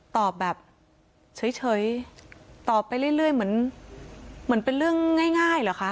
ตอบแบบเฉยตอบไปเรื่อยเหมือนเป็นเรื่องง่ายเหรอคะ